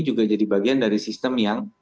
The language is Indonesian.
juga jadi bagian dari sistem yang